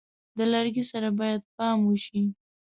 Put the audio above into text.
د لرګي سره باید پام وشي.